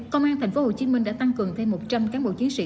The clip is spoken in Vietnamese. công an tp hcm đã tăng cường thêm một trăm linh cán bộ chiến sĩ